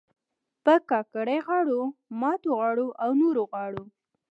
پر کاکړۍ غاړو، ماتو غاړو او نورو غاړو